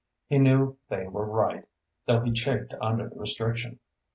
He knew they were right, though he chafed under the restriction.